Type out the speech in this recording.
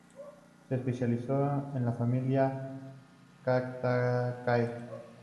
Se especializó en la familia de Cactaceae.